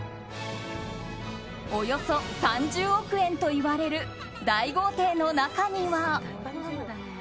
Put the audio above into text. およそ３０億円といわれる大豪邸の中には。